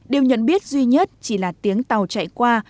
điều nhận biết duy nhất chỉ là tiếng tàu chạy qua